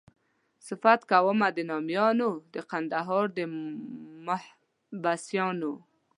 صفت کومه د نامیانو د کندهار د محبسیانو.